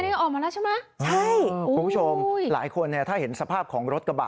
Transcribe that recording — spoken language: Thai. นี่ออกมาแล้วใช่ไหมใช่คุณผู้ชมหลายคนเนี่ยถ้าเห็นสภาพของรถกระบะ